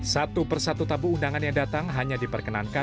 satu persatu tabu undangan yang datang hanya diperkenankan